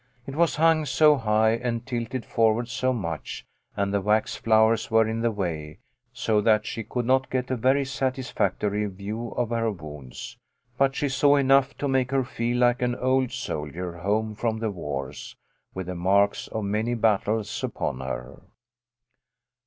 It was hung so high and tilted forward so much, and the wax flowers were in the way, so that she could not get a very satisfactory view of her wounds, but she saw enough to make her feel like an old soldier home from the wars, with the marks of many battles upon her.